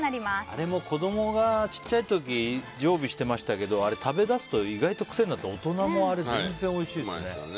あれも子供が小さい時常備してましたけど食べだすと、意外に癖になって大人もおいしいですよね。